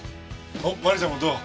おっ麻里ちゃんもどう？